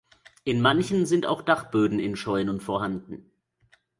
In manchen sind auch Dachböden in Scheunen vorhanden.